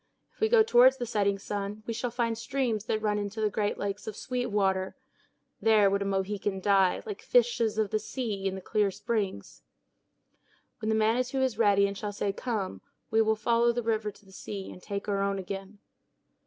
If we go toward the setting sun, we shall find streams that run into the great lakes of sweet water; there would a Mohican die, like fishes of the sea, in the clear springs. When the Manitou is ready and shall say "Come," we will follow the river to the sea, and take our own again.